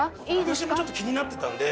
私もちょっと気になってたんで。